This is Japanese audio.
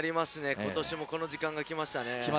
今年もこの時間が来ましたね。